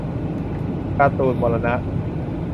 การ์ตูนมรณะ